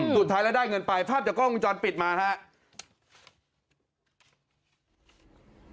สุดท้ายแล้วได้เงินไปภาพจากกล้องวงจรปิดมาครับ